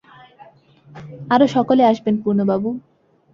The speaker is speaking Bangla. আরো সকলে আসবেন পূর্ণবাবু!